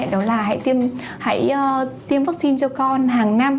đó là hãy tiêm vaccine cho con hàng năm